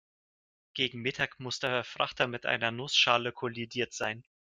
Gegen Mittag muss der Frachter mit einer Nussschale kollidiert sein.